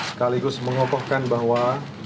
sekaligus mengopohkan bahwa